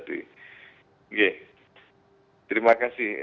oke terima kasih